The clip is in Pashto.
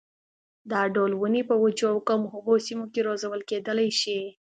دا ډول ونې په وچو او کمو اوبو سیمو کې روزل کېدلای شي.